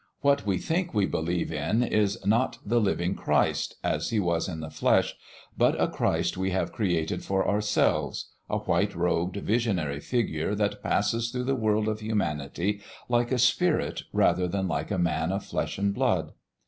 What we think we believe in is not the living Christ as He was in the flesh, but a Christ we have created for ourselves a white robed, visionary figure that passes through the world of humanity like a spirit rather than like a man of flesh and blood.